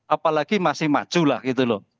apalagi masih maju lah gitu loh